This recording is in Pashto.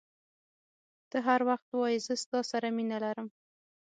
ته هر وخت وایي زه ستا سره مینه لرم.